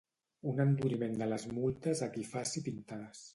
un enduriment de les multes a qui faci pintades